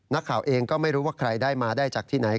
นักข่าวเองก็ไม่รู้ว่าใครได้มาได้จากที่ไหน